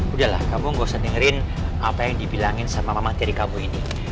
udahlah kamu gak usah dengerin apa yang dibilangin sama materi kamu ini